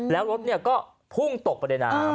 แล้วรถก็พุ่งตกไปในน้ำ